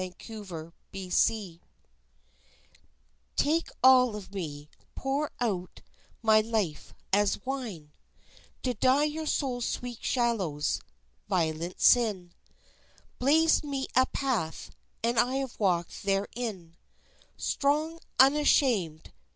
XXII To a Woman Take all of me, pour out my life as wine, To dye your soul's sweet shallows. Violent sin Blazed me a path, and I have walked therein, Strong, unashamed.